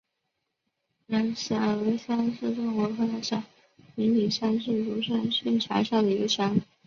瀼河乡是中国河南省平顶山市鲁山县下辖的一个乡。